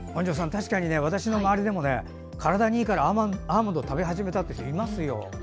確かに私の周りでも体にいいからアーモンド食べ始めた人がいますよ。